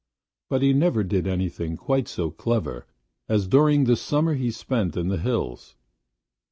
But he never did anything quite so clever as during that summer he spent in the hills.